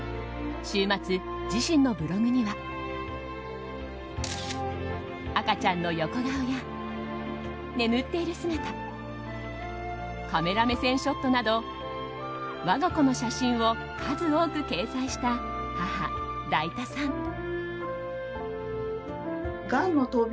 週末、自身のブログには赤ちゃんの横顔や眠っている姿カメラ目線ショットなど我が子の写真を数多く掲載した母・だいたさん。